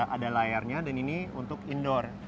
ada layarnya dan ini untuk indoor